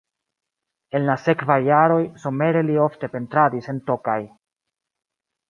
En la sekvaj jaroj somere li ofte pentradis en Tokaj.